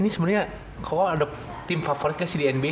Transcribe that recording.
ini sebenernya koko ada tim favorit di nba